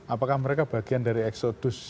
apakah mereka bagian dari eksodus